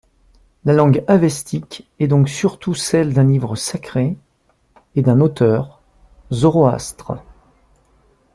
La langue avestique est donc surtout celle d'un livre sacré et d'un auteur, Zoroastre.